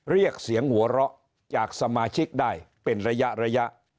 เรียกเสียงหัวเราะจากสมาชิกได้เป็นระยะ